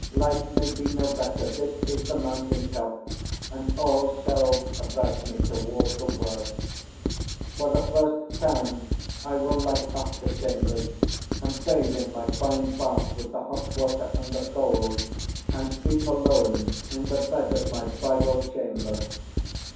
"Life may be no better; this is the mountain top; and all shelves about me toward the worse. For the first time I will light up the chambers, and bathe in my fine bath with the hot water and the cold, and sleep alone in the bed of my bridal chamber."